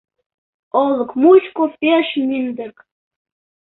Олык мучко пеш мӱндырк